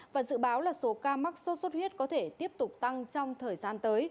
và dự báo là số ca mắc sốt xuất huyết có thể tiếp tục tăng trong thời gian tới